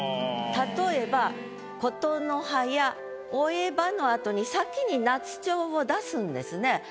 例えば「言の葉や追えば」のあとに先に夏蝶を出すんですね。